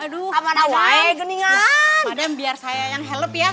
aduh padam padam biar saya yang help ya